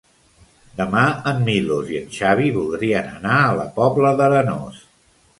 Demà en Milos i en Xavi voldrien anar a la Pobla d'Arenós.